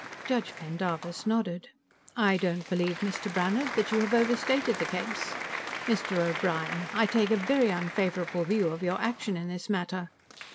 Judge Pendarvis nodded. "I don't believe, Mr. Brannhard, that you have overstated the case. Mr. O'Brien, I take a very unfavorable view of your action in this matter.